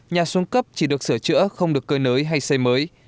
nhà xuống cấp chỉ được sửa chữa không được cơi nới hay xây mới